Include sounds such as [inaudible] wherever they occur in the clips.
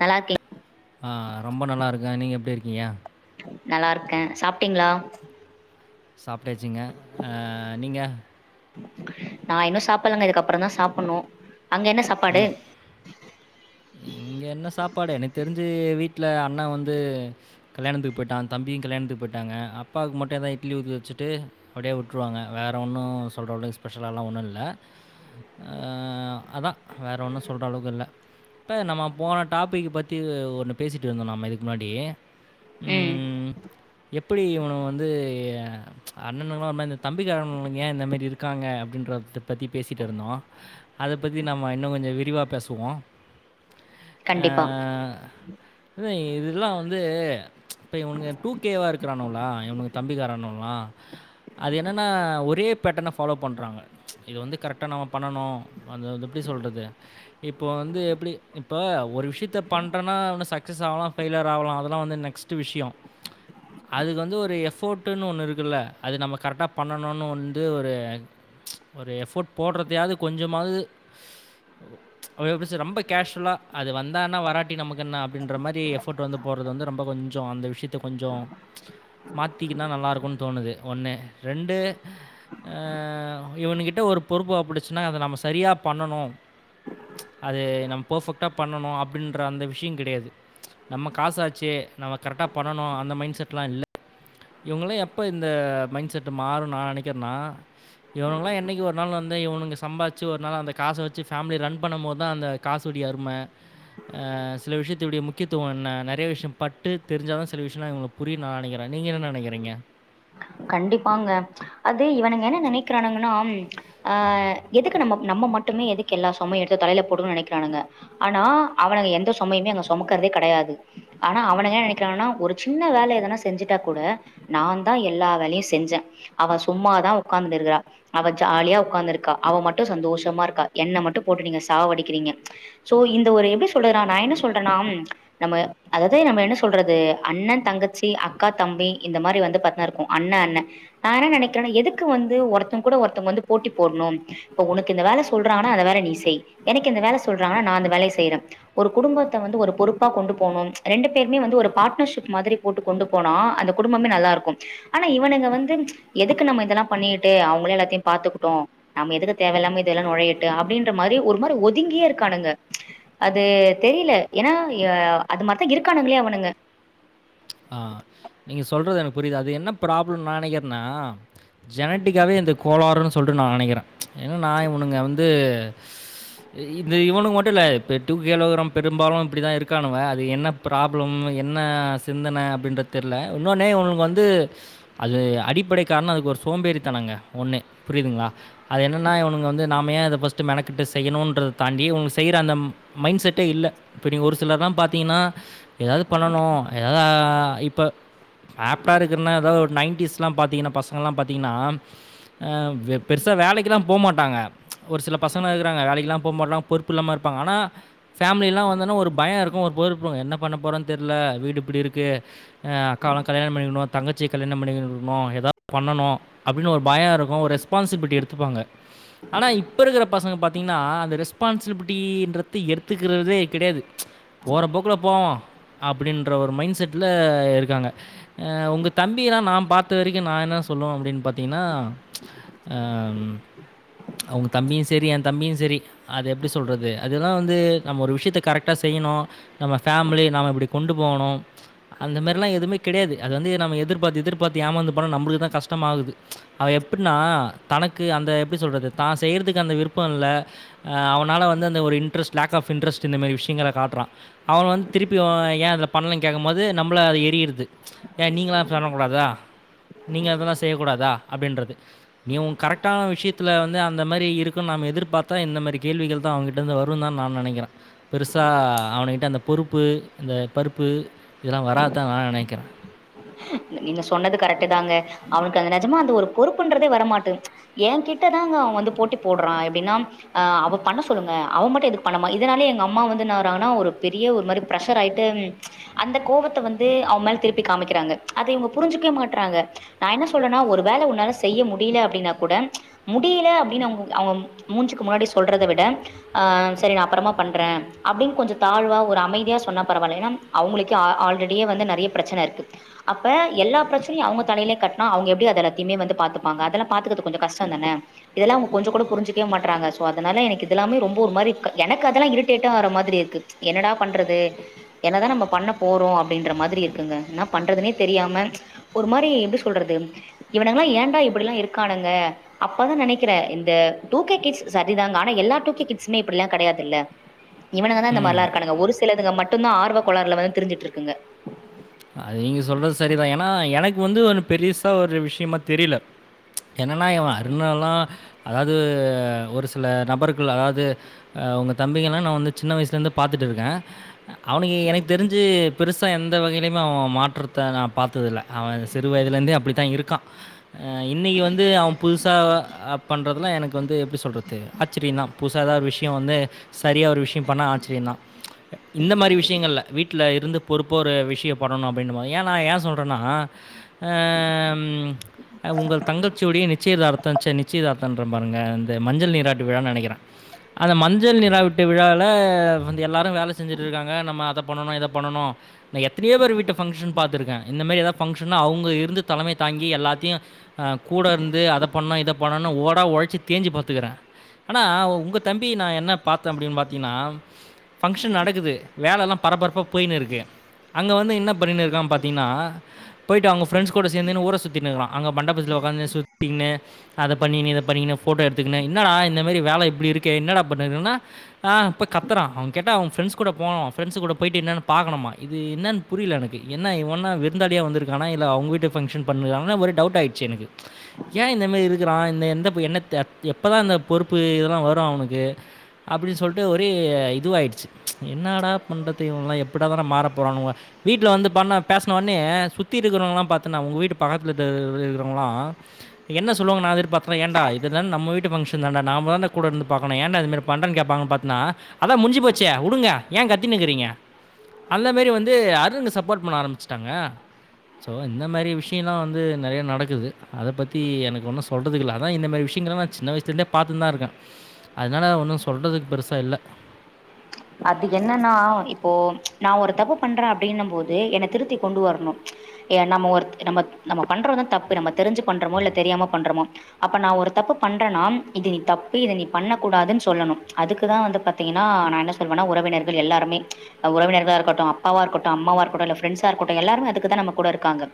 நல்லாருக் ஆ ரொம்ப நல்லாருக்க நீங்க எப்டி இருக்கீங்க நல்லாருக்க சாப்ட்டீங்ளா சாப்டாச்சுங்க அ நீங்க நா இன்னு சாப்பலங்க இதுக்கப்புறோந்தா சாப்புணூ அங்க என்ன சாப்பாடு இங்க என்ன சாப்பாடு எனக்கு தெரிஞ்சு வீட்ல அண்ண வந்து கல்யாணத்துக்கு போய்ட்டா தம்பியு கல்யாணத்துக்கு போய்ட்டாங்க அப்பாக்கு மட்டு எதான் இட்லி ஊத்தி வச்சிட்டு அப்டியே விட்ருவாங்க வேறு ஒன்னு ம் சொல்கிறவளக்கு ஸ்பெஷல்லா ஒன்னு இல்ல அ அதா வேறு ஒன்னும் சொல்ற அளவுக்கு இல்ல இப்ப நம்ம போன டாபிக்கு பத்தி ஒன்னு பேசிகிட்டு இருந்தோ நம்ம இதுக்கு முன்னாடி ம் எப்டி இவன வந்து அண்ணனுங்கலா ஒரு மாரி இந்த தம்பிக்காரன்னு ஏய இந்த மாரி இருக்காங்க அப்டின்றத பத்தி பேசிட்டு இருந்தோ அத பத்தி நம்ம இன்னோ கொஞ்ச விரிவா பேசுவோ ஆ கண்டிப்பா இ இதெல்லா வந்து இப்ப இவனுங்க டூ கேவா இருக்குறானுங்ளா இவனுங்க தம்பிக்காரானும்லா அது என்னன்னா ஒரே பேட்டர்ன ஃபாலோ பண்றாங்க இது வந்து கரெக்டா நம்ம பண்ணணும் அது எப்டி சொல்றது இப்போ வந்து எப்டி இப்ப ஒரு விஷயத்த பண்றன்னா ஒன்ன சக்சஸ் ஆகலா ஃபெய்லியர் ஆகலா அதெல்லா வந்து நெக்ஸ்ட் விஷய அதுக்கு வந்து ஒரு எஃபோர்ட்டுன்னு ஒன்னு ம் இருக்குல்ல அது நம்ம கரெக்டா பண்ணணும்னு வந்து ஒரு ஒரு எஃபோர்ட் போடுறதயாவது கொஞ்சமாவது எப்டி சொல்றது ரொம்ப கேஷுவலா அது வந்தா என்ன வராட்டி நமக்கு என்ன அப்டியின்ற மாதிரி எஃப்போர்ட் வந்து போறது வந்து ரொம்ப கொஞ்ச அந்த விஷயத் கொஞ்ச மாத்திக்கன்னா நல்லா இருக்கும் தோணுது ஒன்னு ரெண்டு அ இவனு கிட்ட ஒரு பொறுப்பு ஒப்படச்சுன்னா அத நம்ம சரியா பண்ணணு அது நம்ம பெர்பெக்ட்டா பிரெஃபெக்ட்டா பண்ணணு அப்டின்ற அந்த விஷய கிடையாது நம்ம காச ஆச்சே நம்ம கரெக்டா பண்ணனும் அந்த மைண்ட் செட்ல்லா இல்ல இவங்கல்லா எப்ப இந்த மைண்ட் செட் மாறும் நா நெனைக்கிறனா இவனுங்கலா என்னிக்கு ஒரு நாள் இவனுங்க சம்பாத்திச்சு ஒரு நாள் அந்த காச வச்சு ஃபேமிலி ரன் பண்ணும்போது தா அந்த காசோடய அரும அ சில விஷயத்துடைய முக்கியத்துவ என்ன நெறைய விஷய பட்டு தெரிஞ்சாதா சில விஷய எல்லா புரியு நா நெனைக்கிற நீங்க என்ன நெனக்கிறீங்க கண்டிப்பாங்க அது இவனுங்க என்ன நெனைக்கிறானுங்கன்னா ஆ எதுக்கு நம்ம நம்ம மட்டுமே எதுக்கு எல்லா சொமயு எடுத்து தலையில போடுக்குனு நெனைக்கிறானுங்க ஆனா அவனுங்க எந்த சுமையுமே அங்க சுமக்கிறதே கிடையாது ஆனா அவனுங்க என்ன நெனைக்கிறான்னா ஒரு சின்ன வேலதானா செஞ்சுட்டா கூட நா தா எல்லா எல்லா வேலையு செஞ்சா அவ சும்மாதான் உக்காந்துட்டு இருக்குறா அவ ஜாலியா உட்காந்துருக்கா அவ மட்டு சந்தோஷமா இருக்கா என்ன மட்டும் போட்டு நீங்க சாவ அடிக்கிறீங்க சோ இந்த ஒரு எப்டி சொல்றது நா என்ன சொல்றனா நம்ம அதாது நம்ம என்ன சொல்றது அண்ண தங்கச்சி அக்கா தம்பி இந்த மாரி வந்து பாத்தினா இருக்கும் அண்ண அண்ண நா என்ன நெனைக்கிறன்னா எதுக்கு வந்து ஒருத்தங்க கூட ஒருத்தவங்க போட்டி போடணு இப்ப உனக்கு இந்த வேல சொல்றாங்கன்னா அந்த வேலைய நீ செய் எனக்கு இந்த வேலை சொல்றாங்கன்னா நா அந்த வேலய செய்ற ஒரு குடும்பத்த வந்து ஒரு பொறுப்பா கொண்டு போகணு ரெண்டு பேர்மே வந்து ஒரு பார்ட்னர்ஷிப் மாதிரி போட்டு கொண்டு போனா அந்த குடும்பமே நல்லா இருக்கு ஆனா இவனுங்க வந்து எதுக்கு நம்ம இதெல்லா பண்ணிட்டு அவங்களே எல்லாத்தயு பாத்துக்கிட்டு நம்ம எதுக்கு தேவ இல்லாம இதெல்லா நுழையிட்டு அப்டின்ற மாதிரி ஒரு மாதிரி ஒதுங்கியே இருக்கானுங்க அது தெரில ஏன்னா அது மாரித்தா இருக்கானுங்கலே அவனுங்க ஆ நீங்க சொல்றது எனக்கு புரிது அது என்ன ப்ராப்ளம் நா நெனைக்றனா ஜெனட்டிக்காவே இந்த கோளாறுன்னு சொல்ட்டு நா நெனைக்ற ஏன்னா நா இவனுங்க வந்து இந்த இவனு மட்டு இல்ல இப்ப டூ கேல்ல இருக்குற பெரும்பாலு இப்டிதா இருக்கானுங்க அது என்ன ப்ராப்ளம் என்ன சிந்தன அப்டின்ற தெர்ல இன்னொன்னு இவனுங் வந்து அது அடிப்படை காரண அதுக்கு ஒரு சோம்பேறி தனங்க ஒண்ணு புரியுதுங்களா அது என்னென்னா இவனுங்க வந்து நாம ஏ அத ஃபஸ்ட்டு மெனக்கட்டு செய்யணுன்றத தாண்டி இவங்க செய்ற அந்த மைண்ட் செட்டே இல்ல இப்ப ஒரு சிலர்லா பாத்தீங்னா எதாது பண்ணணு ஆ இப்ப ஆப்டா இருக்குனா ஏதாவ்து ஒரு நைன்ட்டீஸ்லா பாத்திங்னா பசங்கள்லா பாத்திங்னா அ பெருசா வேலைக்குலா போமாட்டாங்க ஒரு சில பசங்களா இருக்கிறாங்க வேலைக்குலா போமாட்டாங்க பொறுப்பில்லாம இருப்பாங்க ஆனா ஃபேமிலிலா வந்தோனா ஒரு பய இருக்கு ஒரு பொறுப் என்ன பண்ண போறோன் தெர்ல வீடு இப்டி இருக்கு அ அக்காவெல்லா கல்யாண பண்ணிக்குணு தங்கச்சி கல்யாண பண்ணிக்குடுக்கணு எதாது பண்ணணு அப்டினு ஒரு பய இருக்கு ஒரு ரெஸ்பான்சிபிலிட்டி எடுத்துப்பாங்க ஆனா இப்ப இருக்கிற பசங்க பாத்தீங்னா அந்த ரெஸ்பான்சபில் ட்டி ன்றது எட்த்துக்கிறதே கெடையாது போற போக்குல போவோ அப்டின் ற ஒரு மைண்ட் செட்ல இருக்காங்க உங்க தம்பியலா நா பாத்த வரைக்கு நா இன்ன சொ சொல்லுவோ அப்டின் பாத்திங்னா ஆ உங்க தம்பியு செரி எ தம்பியு செரி அது எப்டி சொல்றது அதுலா வந்து நம்ம ஒரு விஷயத்த கரெக்ட்டா செய்யணு நம்ம பேம்லி நாம இப்டி கொண்டு போவ்ணு அந்தமேர்லா எதுமே கெடையாது அது வந்து நம்ம எதிர்பாத்து எதிர் பாத்து ஏமாந்து போனா நம்புளுக்கு தா கஷ்டமாகுது அவ எப்பின்னா தனக்கு அந்த எப்டி சொல்றது தா செய்யறதுக்கு அந்த விருப் பல்ல அவனால வந்து அந்த ஒரு இன்ட்ரெஸ்ட் லேக் ஆஃப் இன்ட்ரெஸ்ட் இந்தமாரி விஷயங்கள காட்றா அவன வந் திருப்பி வ ஏ அத பண்லன் கேக்கம்போது நம்ள அது எரியர்து ஏ நீங்ள சொல்ல கூடாதா நீங்க அதலா செய்யக்கூடாதா அப்டின்றது நீ உங் கரெக்டான விஷயத்ல வந்து அந்த மாரி இரு க்குனு நாம எதிர்பாத்தா இந்த மெரி கேள்விகள் தா அவுங்கிட்டந்து வருந்தா நா நெனைக்கிறே பெருசா அவனுகிட்ட அந்த பொறுப்பு இந்த பருப்பு இதெலா வராத்தா நா நெனக்கிற நீங்க சொன்னது கரெட்டு தாங்க அவனுக்கு அந்த நெஜமா அந்த ஒரு பொறுப்புன்றதே வரமாட்டன்து ஏங்கிட்டதாங்க அவ வந்து போட்டி போடுறா எப்டின்னா ஆ அவ பண்ண சொல்லுங்க அவ மட்டு எதுக்கு பண்ணாம இதனாலே எங்க அம்மா வந்து இன்னாறாங்கன்னா ஒரு பெரிய ஒரு மாரி பிரஷர் ஆயிட்டு அந்த கோவத்த வந்து அவ மேல திருப்பி காமி க்கிறாங்க அத இவுங்க புரிஞ்சுக்கே மாட்றாங்க நா என்ன சொல்றனா ஒரு வேல உன்னால செய்ய முடில அப்டினா கூட முடியில அப்டினு அவுங் அவுங்க மூஞ்சுக்கு முன்னாடி சொல்றத விட ஆ செரி நா அப்றமா பண்றே அப்டின் கொஞ்ச தாழ்வா ஒரு அமைதியா சொன்ன பரவால்ல ஏனா அவுங்களுக்கே ஆ ஆல்ரெடியே வந்து நெறய பிரச்சன இருக்கு அப்ப எல்லா பிரச்னயு அவுங்க தலைலே கட்னா அவுங்க எப்டி அத எல்லாத்தியுமே வந்து பாத்துப்பாங்க அதெல்லா பாத்துக்கது கொஞ்ச கஷ்டந்தான இதெல்லா அவுங்க கொஞ்சோ கூட புரிஞ்சுக்கே மாட்றாங்க சோ அதனால எனக்கு இதெல்லாமே ரொம்ப ஒரு மாரி எனக்கு அதெல்லா இரிட்டேட்டா ஆரமாதிரி இருக்கு என்னடா பண்றது என்னதா நம்ம பண்ண போறோ அப்டின்ற மாதிரி இருக்குங்க நம் பண்றதுனே தெரியாம ஒரு மாரி எப்டி சொல்றது இவனுங்கிலா ஏண்டா இப்டில்லா இருக்கானுங்க அப்பதா நெனக்கிறே இந்த டூக்கே கிட்ஸ் சரிதாங்க ஆனா எல்லா டூக்கே கிட்ஸ்மே இப்டி எல்லா கெடையாதுல்ல இவனுங்க தா இந்த ம் மாரிலா இருக்கானுங்க ஒரு சிலதுங்க மட்டுதா ஆர்வ கேளாருல வந்து திரிஞ்சிட்ருக்குங்க அது நீங்க சொல்றது சரிதா ஏனா எனக்கு வந்து ஒரு பெருசா ஒரு விஷயமா தெரில என்னனா இவ அருணல்லா அதாவ்து ஒரு சில நபர்கள் அதாவ்து அ உங்க தம்பிங்கலா நா வந்து சின்ன வயசுல இருந்து பாத்துட் இருக்க அவனுக்கு எனக்கு தெரிஞ்சு பெருசா எந்த வகை லிமே அவ மாற்றத்த நா பாத்தது இல்ல அவ சிறுவயதுலந்தே அப்டித்தா இருக்கா ஆ இன்னைக்கு வந்து அவ புதுசா அ பண்றதுன எனக்கு வந்து எப்டி சொல்றது ஆச்சிரியந்தா புதுசா எதா ஒரு விஷ்யோ வந்து சரியா ஒரு விஷ்யம் பண்ணா ஆச்சிரியந்தா இந்த மாரி விஷ்யங்கள்ல வீட்ல இருந்துப் பொறுப்பா ஒரு விஷ்யப் பண்ணணு அப்டின்னும்போ ஏ நா ஏ சொல்றனா அ ம் அ உங்கள் தங்கள்ச்சியுடைய நிச்சயதார்த்த ச்ச நிச்சயதார்த் தன்றம் பாருங்க இந்த மஞ்சள் நீராட்டு விழான் நெனைகிறே அந்த மஞ்சள் நிராவிட்டு விழால வந்து எல்லாரு வேல செஞ்சுட்ருக்காங்க நம்ம அதப் பண்ணணு இதப் பண்ணணு தினையோ பேரு வீட்டு ஃபங்க்ஷன பாத்துருகே இந்த மேரி எதாவ் ஃப்ங்ஷன்னா அவுங்க இருந்து தலைமை தாங்கி எல்லாத்தியு அ கூட இருந்து அதப் பண்ணு இதப் பண்ணணு ஓடா ஒழச்சித் தேஞ்சி பாத்துகிறே ஆனா உங்க தம்பி நா என்னப் பாத்தே அப்டிம் பாத்தீங்கினாம் ஃபங்க்ஷன் நடக்குது வேலல்லாம் பரபரப்பா போயினுருகு அங்க வந்து என்னப் பண்ணினிருக்காம் பார்த்தீங்கினா போயிட்டு அவுங்க ஃப்ரெண்ட்ஸ் கூட சேந்துனு ஊர சுத்திட்னுகுறா அங்க மண்டபத்ல ஒக்காந்து சுத்திகினு அதப் பண்ணிகினு இதப் பண்ணிகினு ஃபோட்டோ எடுத்துகினு இன்னாடா இந்த மேரி வேல இப்டி இருக்கே என்னடாப் பண்ணுகிறனா ஆ இப்பக் கத்தறா அவுங் கேட்ட அவெ ஃபிரண்டஸ் கூட போனவா ஃபிரண்டஸ் கூட போயிட்டு என்னனு பாகணுமா இத் இது என்னன் புரில எனக்கு என்ன இவென்னா விருந்தாளியா வந்திருக்கானா இல்ல அவுங்க விட்டு ஃபங்ஷன் பண்ணுகுகிறாங்னா ஒரு டவுட்டாயிட்ச்சு எனகு ஏ இந்த மேரி இருகுறா இந்த எந்தப் என்னத்த அத் எப்பதா இந்த பொறுப்பு இதெல்லா வரு அவனுகு அப்புடி சொல்ட்டு ஒரே இதுவாயிடுச்சு என்னடாப் பண்றத்து [unintelligible] மாறப் போறானுவே வீட்ல வந்துப் பண்ணப் பேச்ன ஒன்னையே சுத்தி இருகறவுங்லாம் பாத்தன்னா உங்க வீட்டுப் பக்கத்ல [unintelligible] என்ன சொல்லுவாங்க நா எதிர்பாத்தனா ஏன்டா இதுதான் நம்ம விட்டு ஃபங்ஷன்தாண்டா நாமதாண்டா கூட இருந்து பாக்கனு ஏன்டா இது மேரிப் பண்றன் கேப்பாங்கன் பாத் னா அதா முட்ஞ்சி போச்சே வுடுங்க ஏ கத்தினு இகுறிங்க அந்த மேரி வந்து அருணுங்கு சப்போர்ட் பண்ண ஆரம்பிச்சுட்டாங்க சோ இந்த மேரி விஷியலா வந்து நெறையா நடக்குது அதப் பத்தி எனக்கு ஒன்னு சொல்றதுகில்ல அதா இந்த மேரி விஷியங்கிளா நாத் சின்ன வயிசுலேந்தேப் பாத்துன்தா இருகே அதனால ஒன்னு சொல்றதுக் பெருசா இல்ல அது என்னன்னா இப்போ நா ஒருத் தப்பு பண்றே அப்டின்னம்போது என்னத் திருத்திக் கொண்டு வரணு எ நம்ம ஒருத் நம்மத் நம்ம பண்றதுந் தப்பு நம்மத் தெரிஞ்சு பண்றோமோ இல்லத் தெரியாம பண்றோமோ அப்ப நா ஒருத் தப்பு பண்றனாம் இது நீத் தப்பு இது நீப் பண்ணக்கூடாதுன் சொல்லணும் அதுக்குதா வந்து பாத்தீங்கினா நா என்ன சொல்வனா உறவினர்கள் எல்லாருமே அ உறவினர்களா இருக்கட்டு அப்பாவா இருக்கட்டு அம்மாவா இருக்கட்டு இல்ல ஃப்ரண்ட்ஸா இருக்கட்டு எல்லாருமே அதுக்குதா நம்மக்கூட இருக்காங்க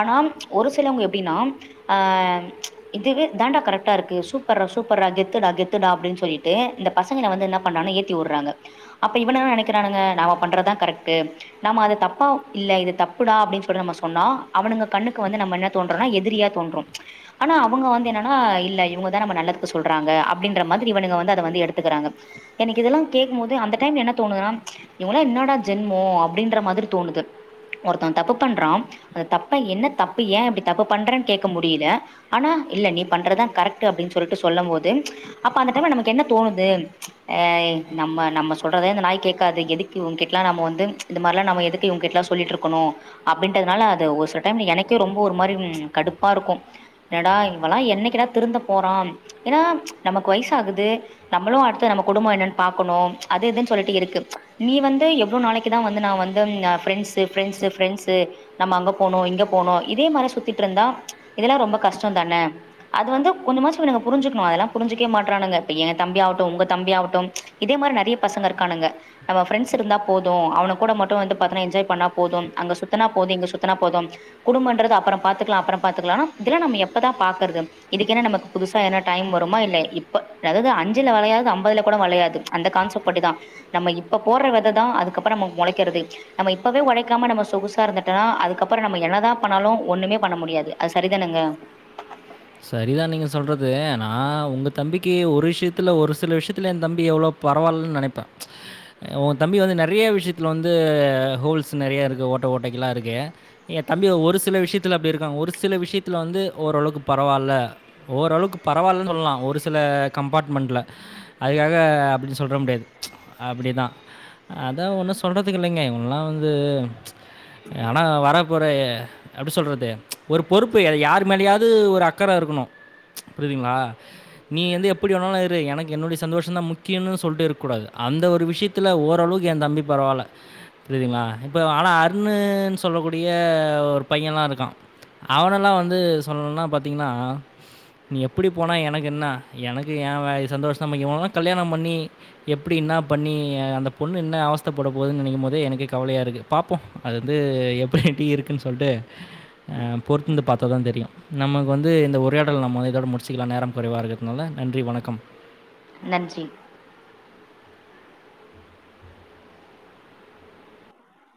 ஆனாம் ஒரு சிலவுங்க எப்டினாம் ஆம் இதுவே தாண்டா கரெக்டா இருக்கு சூப்பர்றா சூப்பர்றா கெத்துடா கெத் த்துடா அப்டின் சொல்லிட்டு இந்தப் பசங்கள வந்து என்னாப் பண்றானா ஏத்தி வுர்றாங்க அப்ப இவனா நெனைக்கிறானுங்க நாம பண்றதா கரெக்ட்டு நம்ம அது தப்பா இல்ல இதுத் தப்புடா அப்டின் சொல்ட்டு நம்ம சொன்னா அவனுங்க கண்ணுக்கு வந்து நம்ம என்னத் தோன்றனா எதிரியா தோன்றும் ஆனா அவுங்க வந்து என்னனா இல்ல இவுங்கதா நம்ம நல்லதுக்கு சொல்றாங்க அப் பிடின்ற மாதிரி இவனுங்க வந்து அத வந்து எடுத்துகிறாங்க எனிக்கு இதெல்லாங் கேக்கும்மோது அந்த டைம் என்னத் தோணுதுனா இவுங்களா என்னாடா ஜென்மோ அப்டின்ற மாதிரி தோணுது ஒருத்த தப்பு பண்றா அந்த தப்ப என்னத் தப்பு ஏ இப்டி தப்பு பண்றன் கேக்க முடியில ஆனா இல்ல நீ பண்றதா கரெக்ட்டு அப்டின் சொல்ட்டு சொல்லம்போது அப்ப அந்த டைம்ல நமக்கு என்னத் தோணுது அ இ நம்ம நம்ம சொல்றத இந்த நாய்க் கேக்காது எதுக் இவுங்கிட்லா நம்ம வந்து இந்த மார்லா நம எதுக்கு இவுங்கிட்லா சொல்லிட்ருக்குணு அப்டின்றதுனால அது ஒரு சில டைம்ல எனக்கே ரொம்ப ஒரு மாரி ம் கடுப்பாருக்கு எனடா இவலா என்னைக்குடாத் திருந்தப் போறாம் எனா நமக்கு வயசாகுது நம்மளு அடுத்தது நம்மக் குடும்போ என்னன் பாக்குணும் அது இதுன் சொல்லிட்டு இருக்கு நீ வந்து எவ்ளோ நாளைக் க்கு தா வந்து நா வந்து அ ஃப்ரெண்ட்ஸ்சு ஃப்ரெண்ட்ஸ்சு ஃப்ரெண்ட்ஸ்சு நம்ம அங்க போன்னோ இங்க போன்னோ இதே மார சுத்திட்ருந்தா இதெல்லா ரொம்ப கஷ்டந்தானே அது வந்து கொஞ்சமாச்சு நாங்க புரிஞ்சுக்கணு அதலா புருஞ்சுக்கே மாற்றானுங்க இப்ப எ தம்பி ஆகட்டு உங்க தம்பி ஆகட்டும் இதே மார் நெறைய பசங்க இருக்கானுங்க நம்ம ஃப்ரெண்ட்ஸ் இருந்தா போது அவனுங் கூட மட்டு வந்து பாத்தன்னா என்ஜாய் பண்ணா போதும் அங்க சுத்தனா போது இங்க சுத்தனா போதும் குடும்பன்றது அப்பறம் பாத்துக்கலா அப்பறம் பாத்துக்கலா ஆனா இதுல நம்ம எப்பதா பாக்கற்து இதுக்கென நமக்கு புதுசா என்ன டைம் வரு மா என்ன இப்ப அதாவது அஞ்சுல வளையாது அம்பதுல கூட வளையாது அந்த கான்செப்ட் பட்டு தா நம்ம இப்ப போற்ற வெததா அதுக்கப்பறம் நம்ம மொளைக்கிறது நம்ம இப்பவே ஒழைக்காம நம்ம சொகுசா இருந்தட்டமன்னா அதுக்கப்பறம் நம்ம என்னதா பண்ணாலு ஒண்ணுமே பண்ண முடியாது அது சரிதானேங்க சரிதா நீங்க சொல்றது நா உங்க தம்பிக்கு ஒரு விஷ்யத்துல ஒரு சில விஷயத்துல எ தம்பி எவ்ளோ பரவாயில்லன் நெனைப்பே உ தம்பி வந்து நெறைய விஷ்யத்துல வந்து ஹோல்ஸ் நெறையா இருக்கு ஓட்ட ஓட்டைக்கில்லா இருக்கு எ தம்பி ஒரு சில விஷ்யதுலா அப்டி இருக்காங்க ஒரு சில விஷ்யத்துல வந்து ஓரளவுக்கு பரவால்ல ஓரளவுக்கு பரவால்லன் சொல்லா ஒரு சில கம்பார்ட்மெண்ட்ல அதுக்காக அப்படி சொல்ற முடியாது அப்படிதா அதா ஒண்ணு சொல்றதுக்கு இல்லைங்க இவங்க எல்லா வந்து ஆனா வர போற எப்படி சொல்றது ஒரு பொறுப்பு அத யார் மேலையாது ஒரு அக்கற இருக்கணு புரியுதுங்களா நீ வந்து எப்படி வேணாலு இரு எனக்கு என்னுடைய சந்தோஷமந்தா முக்கியன்னு சொல்ட்டு இருக்கூடாது அந்த ஒரு விஷ்ய த்துல ஓரளவுக்கு எ தம்பி பரவால்ல புரியுதுங்களா இப்ப ஆனா அருணுன் சொல்லக்கூடிய ஒரு பையன்லா இருக்கா அவனெல்லா வந்து சொல்ணுன்னா பாத்தீங்ன்னா நீ எப்படி போனா எனக் என்னா எனக்கு ஏ வே சந்தோஷ தா முக்கியோ ஒனக்குலா கல்யாணம் பண்ணி எப்படி என்னா பண்ணி அந்த பொண்ணு என்ன அவஸ்த்த பட போதுன் நெனைக் போதே எனக்கு கவலையா இருக்கு பாப்போ அது வந்து எப்ப டி இருக்குன் சொல்ட்டு அ பொறுத்திருந்து பாத்தா தா தெரியு நம்ம வந்து இந்த உரையாடல் நம்ம இதோடு முடிச்சிக்கலா நேரம் குறைவாக இருக்கிறதுனால நன்றி வணக்கம் நன்றி